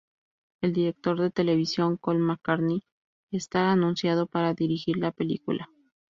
El director de televisión Colm McCarthy está anunciado para dirigir la película.